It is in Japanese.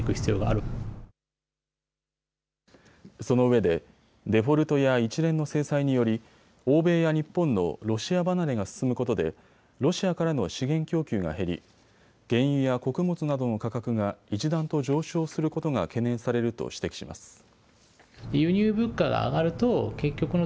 そのうえでデフォルトや一連の制裁により欧米や日本のロシア離れが進むことでロシアからの資源供給が減り原油や穀物などの価格が一段と上昇することが懸念されると指摘します。